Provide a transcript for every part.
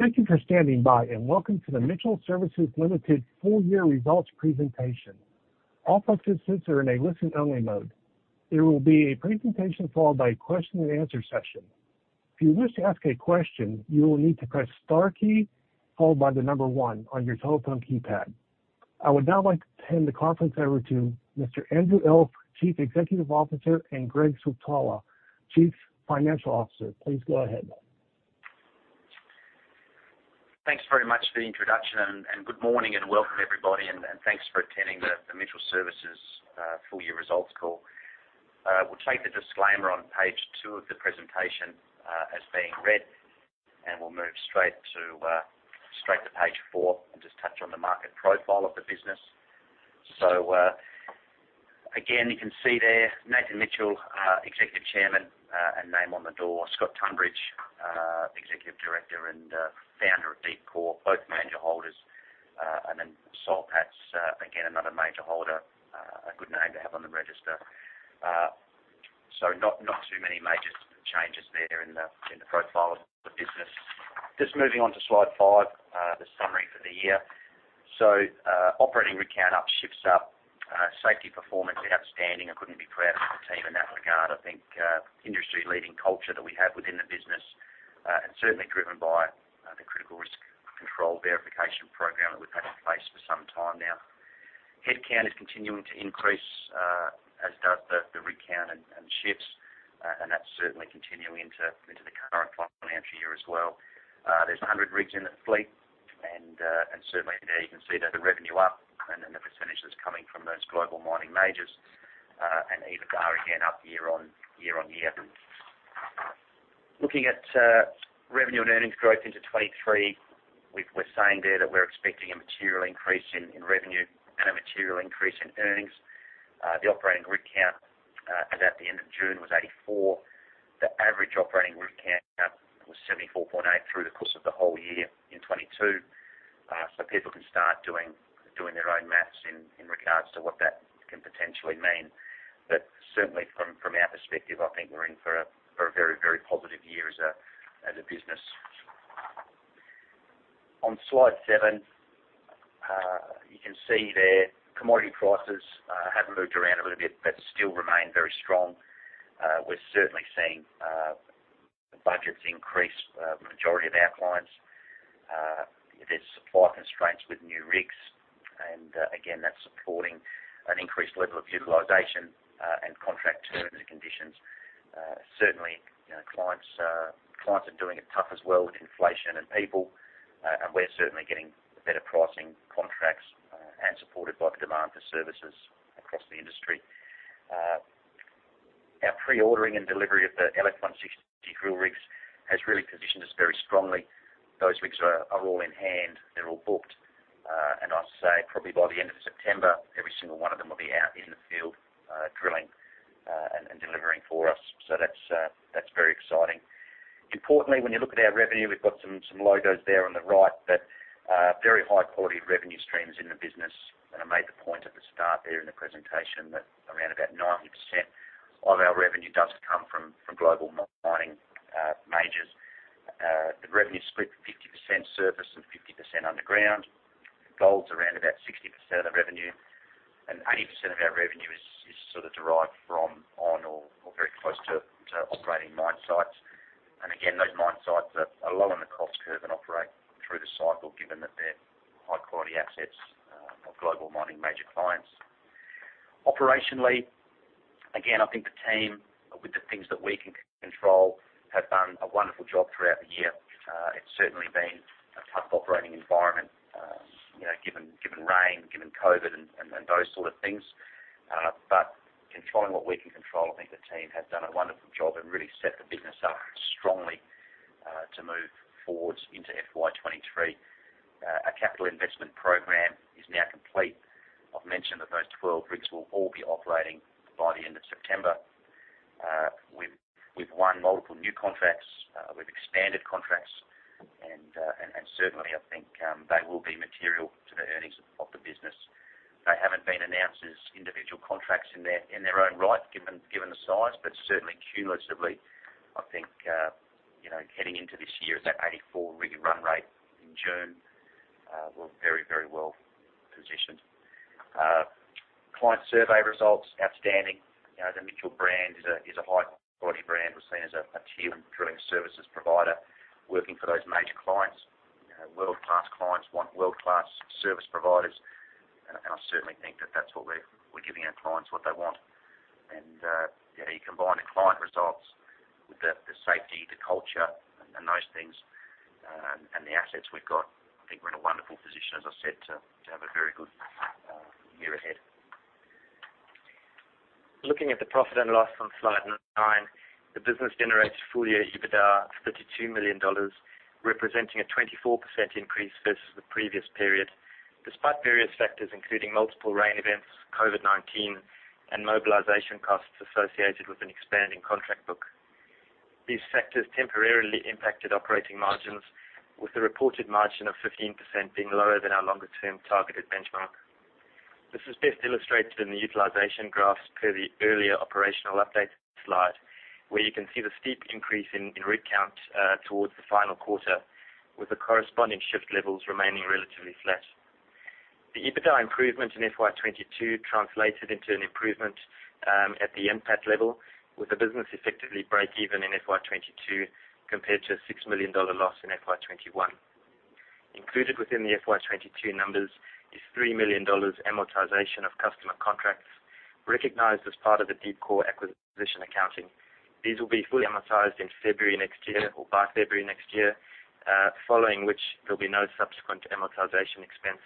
Thank you for standing by, and welcome to the Mitchell Services Limited full year results presentation. All participants are in a listen only mode. There will be a presentation followed by a question and answer session. If you wish to ask a question, you will need to press star key followed by the number one on your telephone keypad. I would now like to hand the conference over to Mr. Andrew Elf, Chief Executive Officer, and Greg Switala, Chief Financial Officer. Please go ahead. Thanks very much for the introduction and good morning and welcome everybody and thanks for attending the Mitchell Services full year results call. We'll take the disclaimer on page two of the presentation as being read, and we'll move straight to page four and just touch on the market profile of the business. Again, you can see there Nathan Mitchell, Executive Chairman, and name on the door. Scott Tumbridge, Executive Director and founder of Deepcore Drilling, both major holders. And then Soul Patts, again, another major holder, a good name to have on the register. Not too many major changes there in the profile of the business. Just moving on to slide five, the summary for the year. Operating rig count up, shifts up. Safety performance outstanding. I couldn't be prouder of the team in that regard. I think, industry-leading culture that we have within the business, and certainly driven by, the Critical Control Verification program that we've had in place for some time now. Headcount is continuing to increase, as does the rig count and shifts. That's certainly continuing into the current financial year as well. There are 100 rigs in the fleet and, certainly there you can see that the revenue up and then the percentages coming from those global mining majors, and EBITDA again up year on year. Looking at revenue and earnings growth into 2023. We're saying there that we're expecting a material increase in revenue and a material increase in earnings. The operating rig count as at the end of June was 84. The average operating rig count was 74.8 through the course of the whole year in 2022. People can start doing their own maths in regards to what that can potentially mean. Certainly from our perspective, I think we're in for a very positive year as a business. On slide seven, you can see there commodity prices have moved around a little bit but still remain very strong. We're certainly seeing budgets increase majority of our clients. There's supply constraints with new rigs and again, that's supporting an increased level of utilization and contract terms and conditions. Certainly, you know, clients are doing it tough as well with inflation and people, and we're certainly getting better pricing contracts, and supported by the demand for services across the industry. Our pre-ordering and delivery of the LF160 drill rigs has really positioned us very strongly. Those rigs are all in hand, they're all booked. I'd say probably by the end of September, every single one of them will be out in the field, drilling and delivering for us. That's very exciting. Importantly, when you look at our revenue, we've got some logos there on the right that very high quality revenue streams in the business. I made the point at the start there in the presentation that around about 90% of our revenue does come from global mining majors. The revenue is split 50% surface and 50% underground. Gold's around about 60% of the revenue and 80% of our revenue is sort of derived from on or very close to operating mine sites. Again, those mine sites are low on the cost curve and operate through the cycle given that they're high quality assets of global mining major clients. Operationally, again, I think the team with the things that we can control have done a wonderful job throughout the year. It's certainly been a tough operating environment, you know, given rain, given COVID and those sort of things. Controlling what we can control, I think the team have done a wonderful job and really set the business up strongly, to move forward into FY 2023. Our capital investment program is now complete. I've mentioned that those 12 rigs will all be operating by the end of September. We've won multiple new contracts. We've expanded contracts and certainly I think they will be material to the earnings of the business. They haven't been announced as individual contracts in their own right, given the size. Certainly cumulatively, I think, you know, heading into this year, that 84 rig and run rate in June, we're very, very well positioned. Client survey results outstanding. You know, the Mitchell brand is a high quality brand. We're seen as a human drilling services provider working for those major clients. You know, world-class clients want world-class service providers. I certainly think that that's what we're giving our clients what they want. You know, you combine the client results with the safety, the culture and those things, and the assets we've got. I think we're in a wonderful position, as I said, to have a very good year ahead. Looking at the profit and loss on slide nine, the business generated full year EBITDA of 32 million dollars, representing a 24% increase versus the previous period, despite various factors including multiple rain events, COVID-19, and mobilization costs associated with an expanding contract book. These factors temporarily impacted operating margins with the reported margin of 15% being lower than our longer term targeted benchmark. This is best illustrated in the utilization graphs per the earlier operational update slide, where you can see the steep increase in rig count towards the final quarter, with the corresponding shift levels remaining relatively flat. The EBITDA improvement in FY 2022 translated into an improvement at the EBIT level, with the business effectively breakeven in FY 2022 compared to an 6 million dollar loss in FY 2021. Included within the FY 2022 numbers is 3 million dollars amortization of customer contracts recognized as part of the Deepcore acquisition accounting. These will be fully amortized in February next year or by February next year, following which there'll be no subsequent amortization expense.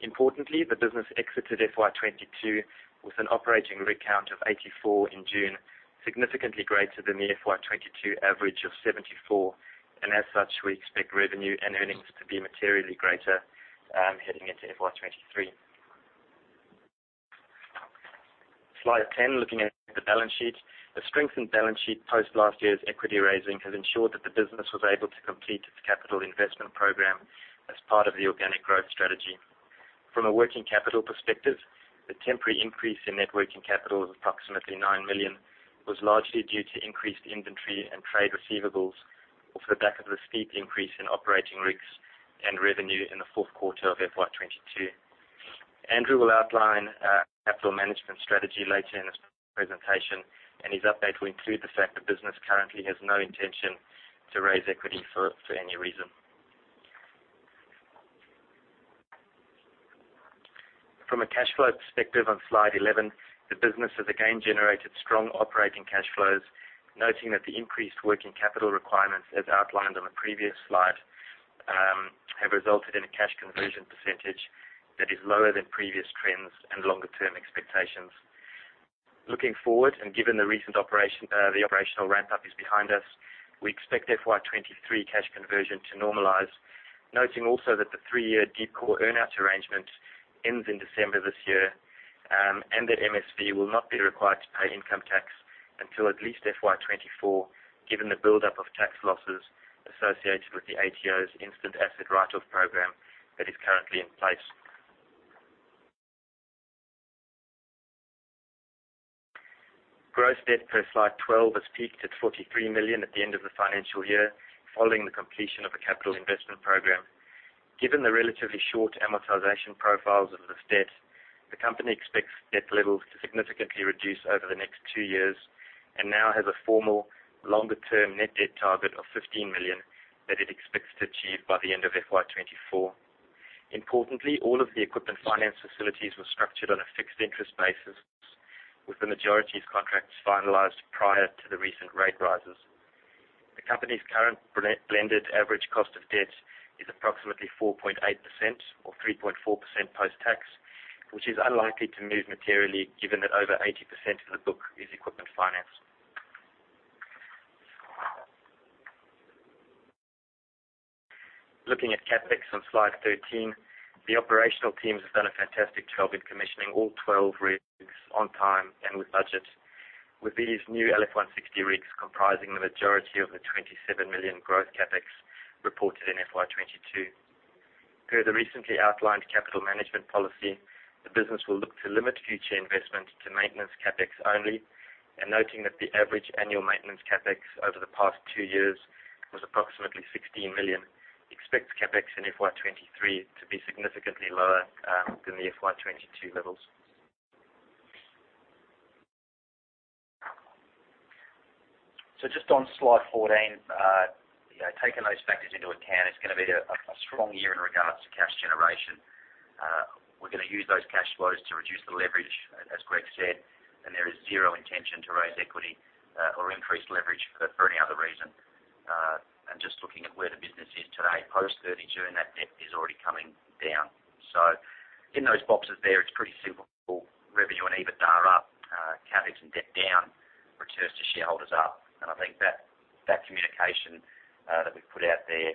Importantly, the business exited FY 2022 with an operating rig count of 84 in June, significantly greater than the FY 2022 average of 74. As such, we expect revenue and earnings to be materially greater, heading into FY 2023. Slide 10. Looking at the balance sheet. The strengthened balance sheet post last year's equity raising has ensured that the business was able to complete its capital investment program as part of the organic growth strategy. From a working capital perspective, the temporary increase in net working capital of approximately 9 million was largely due to increased inventory and trade receivables off the back of the steep increase in operating rigs and revenue in the fourth quarter of FY 2022. Andrew will outline our capital management strategy later in his presentation, and his update will include the fact the business currently has no intention to raise equity for any reason. From a cash flow perspective on slide 11, the business has again generated strong operating cash flows, noting that the increased working capital requirements, as outlined on the previous slide, have resulted in a cash conversion percentage that is lower than previous trends and longer term expectations. Looking forward and given the recent operational ramp up is behind us, we expect FY 2023 cash conversion to normalize. Noting also that the three-year Deepcore earn-out arrangement ends in December this year, and that MSV will not be required to pay income tax until at least FY 2024, given the buildup of tax losses associated with the ATO's instant asset write-off program that is currently in place. Gross debt per slide 12 has peaked at 43 million at the end of the financial year following the completion of the capital investment program. Given the relatively short amortization profiles of this debt, the company expects debt levels to significantly reduce over the next two years and now has a formal longer-term net debt target of 15 million that it expects to achieve by the end of FY 2024. Importantly, all of the equipment finance facilities were structured on a fixed interest basis, with the majority's contracts finalized prior to the recent rate rises. The company's current blended average cost of debt is approximately 4.8% or 3.4% post-tax, which is unlikely to move materially given that over 80% of the book is equipment finance. Looking at CapEx on slide 13. The operational teams have done a fantastic job in commissioning all 12 rigs on time and with budget. With these new LF160 rigs comprising the majority of the 27 million growth CapEx reported in FY 2022. Per the recently outlined capital management policy, the business will look to limit future investment to maintenance CapEx only. Noting that the average annual maintenance CapEx over the past two years was approximately 16 million, expects CapEx in FY 2023 to be significantly lower than the FY 2022 levels. Just on slide 14, you know, taking those factors into account, it's gonna be a strong year in regards to cash generation. We're gonna use those cash flows to reduce the leverage, as Greg said, and there is zero intention to raise equity or increase leverage for any other reason. Just looking at where the business is today, post 30 June, that debt is already coming down. In those boxes there, it's pretty simple. Revenue and EBITDA are up, CapEx and debt down, returns to shareholders up. I think that communication that we've put out there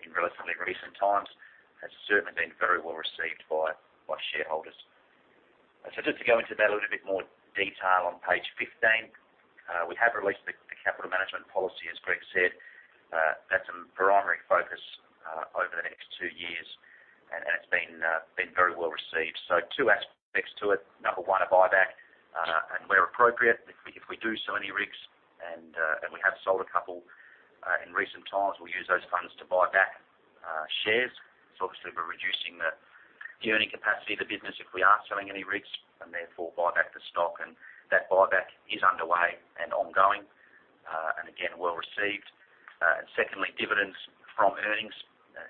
in relatively recent times has certainly been very well received by shareholders. Just to go into that a little bit more detail on page 15, we have released the capital management policy, as Greg said. That's a primary focus over the next two years, and it's been very well received. Two aspects to it. Number one, a buyback, and where appropriate, if we do sell any rigs, and we have sold a couple in recent times, we'll use those funds to buy back shares. Obviously we're reducing the earning capacity of the business if we are selling any rigs and therefore buy back the stock. That buyback is underway and ongoing, and again, well received. Secondly, dividends from earnings.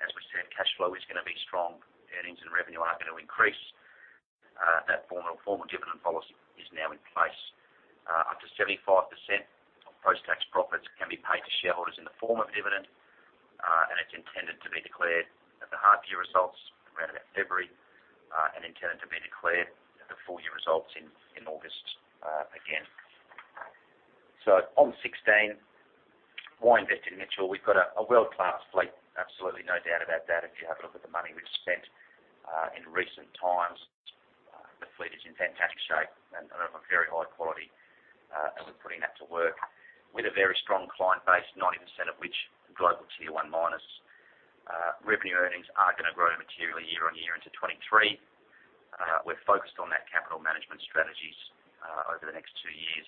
As we said, cash flow is gonna be strong. Earnings and revenue are gonna increase. That formal dividend policy is now in place. Up to 75% of post-tax profits can be paid to shareholders in the form of dividend, and it's intended to be declared at the half year results around about February, and intended to be declared at the full year results in August, again. On sixteen, why invest in Mitchell? We've got a world-class fleet. Absolutely no doubt about that. If you have a look at the money we've spent in recent times, the fleet is in fantastic shape. Very high quality, and we're putting that to work with a very strong client base, 90% of which global tier one miners. Revenue earnings are gonna grow materially year-on-year into 2023. We're focused on that capital management strategies over the next two years.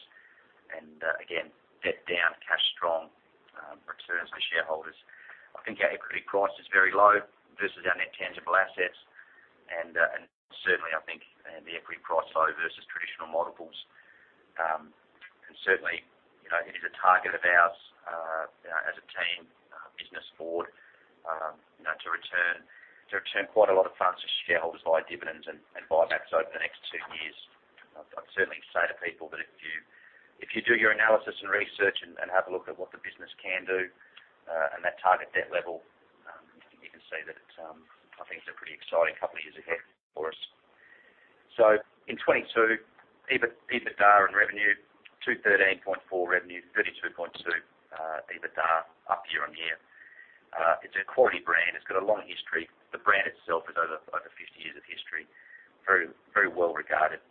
Again, debt down, cash strong, returns for shareholders. I think our equity price is very low versus our net tangible assets. Certainly I think the equity price low versus traditional multiples. Certainly, you know, it is a target of ours, you know, as a team, business board, you know, to return quite a lot of funds to shareholders via dividends and buybacks over the next two years. I'd certainly say to people that if you do your analysis and research and have a look at what the business can do and that target debt level, you can see that it's, I think it's a pretty exciting couple of years ahead for us. In 2022, EBIT, EBITDA and revenue, 213.4 million revenue, 32.2 million, EBITDA up year-over-year. It's a quality brand. It's got a long history. The brand itself is over 50 years of history, very well regarded.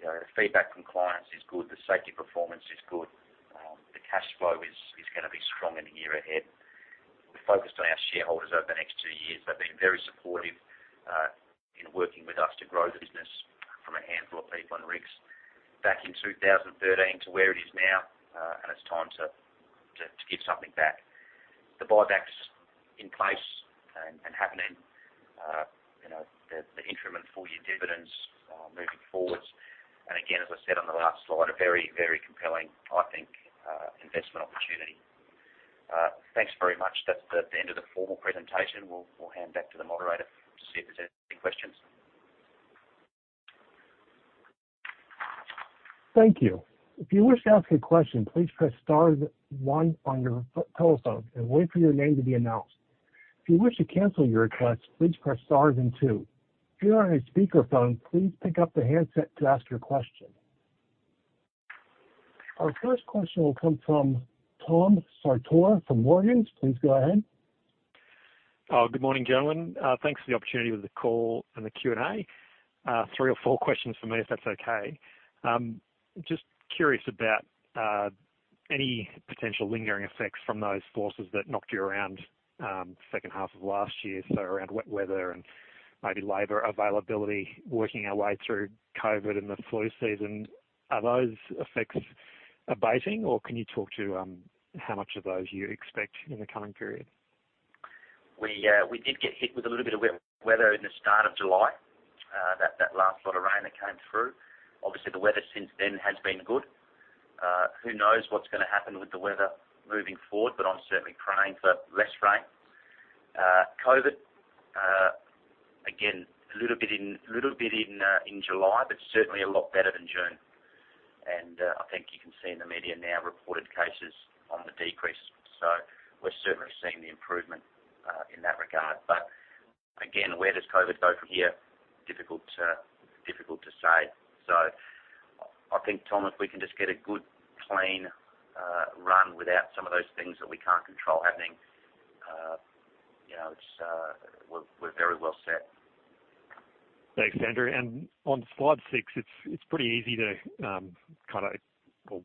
You know, the feedback from clients is good. The safety performance is good. The cash flow is gonna be strong in the year ahead. We're focused on our shareholders over the next two years. They've been very supportive in working with us to grow the business from a handful of people and rigs back in 2013 to where it is now. It's time to give something back. The buyback's in place and happening. You know, the interim and full year dividends are moving forwards. Again, as I said on the last slide, a very compelling, I think, investment opportunity. Thanks very much. That's the end of the formal presentation. We'll hand back to the moderator to see if there's any questions. Thank you. If you wish to ask a question, please press star one on your phone and wait for your name to be announced. If you wish to cancel your request, please press star then two. If you're on a speakerphone, please pick up the handset to ask your question. Our first question will come from Tom Sartor from Morgans. Please go ahead. Good morning, gentlemen. Thanks for the opportunity with the call and the Q&A. Three or four questions for me, if that's okay. Just curious about any potential lingering effects from those forces that knocked you around, second half of last year, so around wet weather and maybe labor availability, working our way through COVID and the flu season. Are those effects abating, or can you talk to how much of those you expect in the coming period? We did get hit with a little bit of wet weather in the start of July, that last lot of rain that came through. Obviously, the weather since then has been good. Who knows what's gonna happen with the weather moving forward, but I'm certainly praying for less rain. COVID, again, a little bit in July, but certainly a lot better than June. I think you can see in the media now, reported cases on the decrease. We're certainly seeing the improvement in that regard. Again, where does COVID go from here? Difficult to say. I think, Tom, if we can just get a good clean run without some of those things that we can't control happening, you know, it's, we're very well set. Thanks, Andrew. On slide six, it's pretty easy to kinda well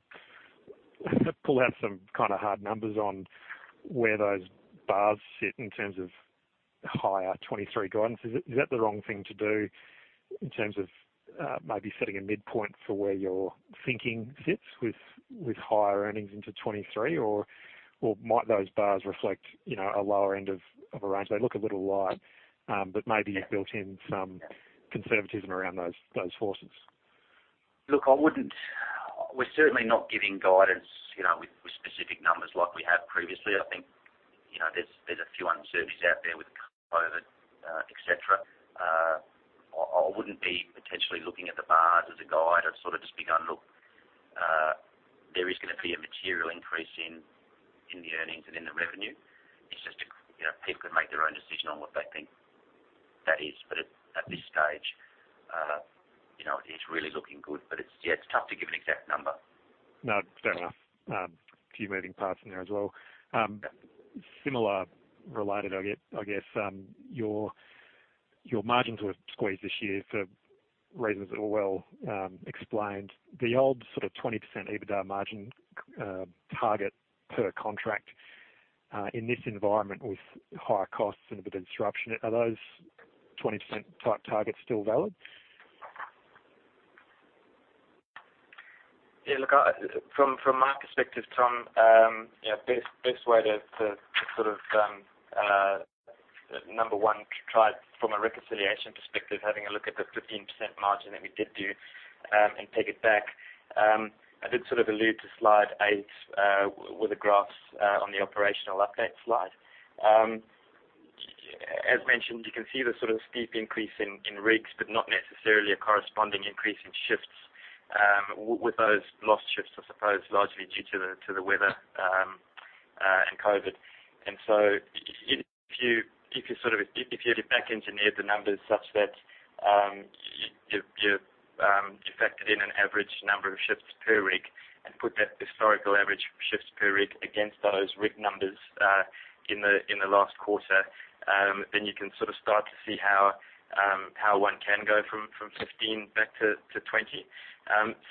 pull out some kinda hard numbers on where those bars sit in terms of HY 2023 guidance. Is that the wrong thing to do in terms of maybe setting a midpoint for where your thinking sits with higher earnings into 2023? Or might those bars reflect, you know, a lower end of a range? They look a little light, but maybe you've built in some conservatism around those forecasts. Look, I wouldn't. We're certainly not giving guidance, you know, with specific numbers like we have previously. I think, you know, there's a few uncertainties out there with COVID, etc. I wouldn't be potentially looking at the bars as a guide. I'd sort of just be going, "Look, there is gonna be a material increase in the earnings and in the revenue." It's just a. You know, people can make their own decision on what they think that is. But at this stage, you know, it's really looking good, but it's, yeah, tough to give an exact number. No, fair enough. A few moving parts in there as well. Similar related, I get, I guess, your margins were squeezed this year for reasons that are well explained. The old sort of 20% EBITDA margin target per contract in this environment with higher costs and a bit of disruption, are those 20% type targets still valid? Yeah, look, from my perspective, Tom, you know, best way to sort of number one, try from a reconciliation perspective, having a look at the 15% margin that we did do, and take it back. I did sort of allude to slide eight, with the graphs, on the operational update slide. As mentioned, you can see the sort of steep increase in rigs, but not necessarily a corresponding increase in shifts, with those lost shifts, I suppose, largely due to the weather, and COVID. If you sort of back engineer the numbers such that you factored in an average number of shifts per rig. Put that historical average shifts per rig against those rig numbers in the last quarter, then you can sort of start to see how one can go from 15 back to 20.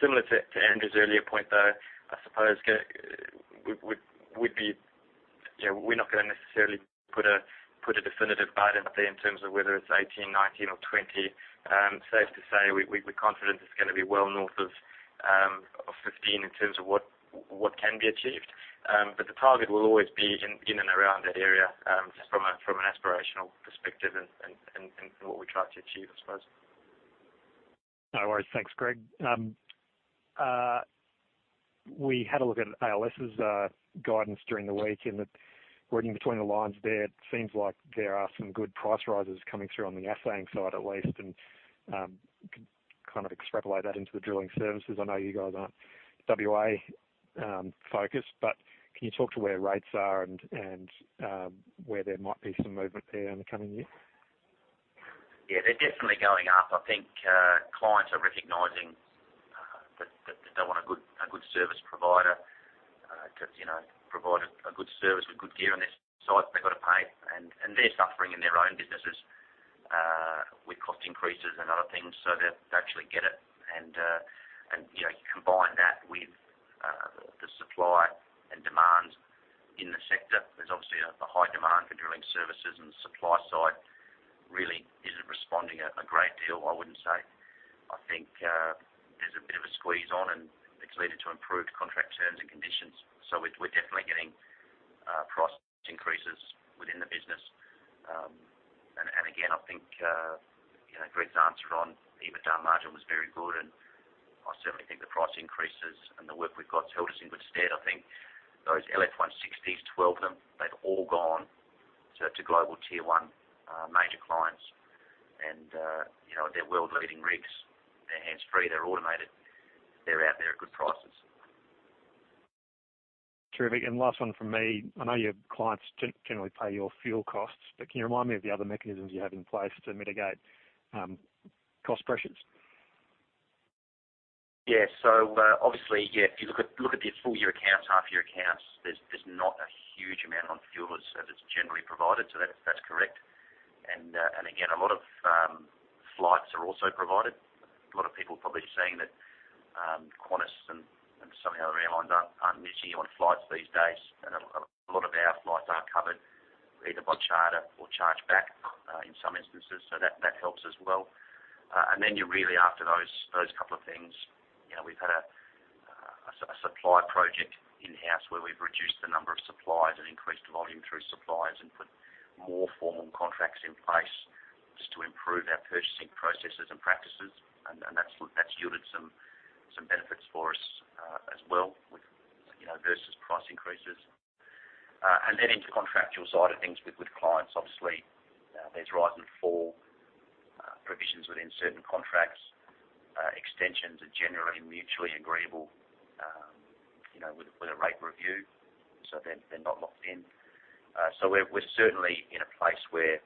Similar to Andrew's earlier point, though, I suppose yeah, we're not gonna necessarily put a definitive guidance there in terms of whether it's 18, 19 or 20. Safe to say we're confident it's gonna be well north of 15 in terms of what can be achieved. The target will always be in and around that area, just from an aspirational perspective and from what we try to achieve, I suppose. No worries. Thanks, Greg. We had a look at ALS's guidance during the week, and the reading between the lines there, it seems like there are some good price rises coming through on the assaying side at least, and kind of extrapolate that into the drilling services. I know you guys aren't WA focused, but can you talk to where rates are and where there might be some movement there in the coming year? Yeah, they're definitely going up. I think clients are recognizing that they want a good service provider, 'cause, you know, to provide a good service with good gear on their site, they've gotta pay. They're suffering in their own businesses with cost increases and other things, so they actually get it. You know, you combine that with the supply and demand in the sector. There's obviously a high demand for drilling services, and the supply side really isn't responding a great deal, I wouldn't say. I think there's a bit of a squeeze on, and it's leading to improved contract terms and conditions. We're definitely getting price increases within the business. Again, I think you know, Greg's answer on EBITDA margin was very good, and I certainly think the price increases and the work we've got has held us in good stead. I think those LF160s, 12 of them, they've all gone to global tier one major clients. You know, they're world-leading rigs. They're hands-free, they're automated. They're out there at good prices. Terrific. Last one from me. I know your clients generally pay your fuel costs, but can you remind me of the other mechanisms you have in place to mitigate cost pressures? Obviously, if you look at the full year accounts, half year accounts, there's not a huge amount on fuel that's generally provided. That's correct. Again, a lot of flights are also provided. A lot of people probably are seeing that Qantas and some of the other airlines aren't missing you on flights these days. A lot of our flights are covered either by charter or charged back in some instances, so that helps as well. Then you're really after those couple of things. You know, we've had a supply project in-house where we've reduced the number of suppliers and increased volume through suppliers and put more formal contracts in place just to improve our purchasing processes and practices. That's yielded some benefits for us as well with you know versus price increases. Into contractual side of things with clients, obviously, there's rise and fall provisions within certain contracts. Extensions are generally mutually agreeable, you know, with a rate review, so they're not locked in. We're certainly in a place where,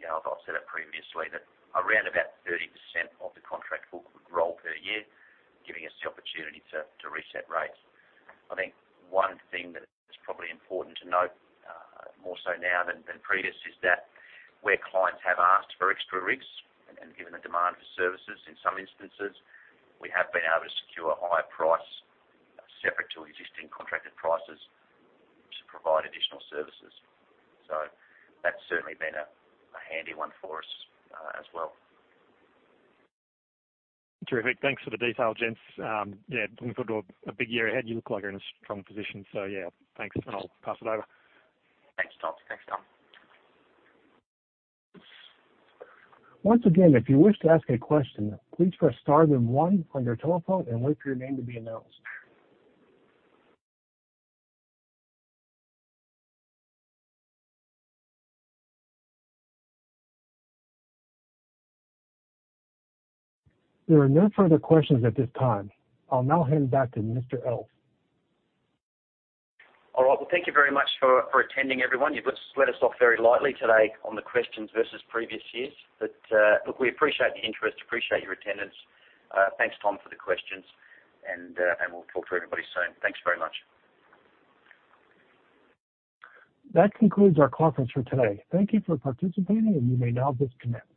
you know, I've said it previously, that around about 30% of the contract book would roll per year, giving us the opportunity to reset rates. I think one thing that's probably important to note, more so now than previous, is that where clients have asked for extra rigs and given the demand for services in some instances, we have been able to secure higher price separate to existing contracted prices to provide additional services. That's certainly been a handy one for us, as well. Terrific. Thanks for the detail, gents. Yeah, looking forward to a big year ahead. You look like you're in a strong position. Yeah, thanks, and I'll pass it over. Thanks, Tom. Thanks, Tom. Once again, if you wish to ask a question, please press star then one on your telephone and wait for your name to be announced. There are no further questions at this time. I'll now hand back to Mr. Elf. All right. Well, thank you very much for attending, everyone. You've let us off very lightly today on the questions versus previous years. Look, we appreciate the interest, appreciate your attendance. Thanks, Tom, for the questions. We'll talk to everybody soon. Thanks very much. That concludes our conference for today. Thank you for participating, and you may now disconnect.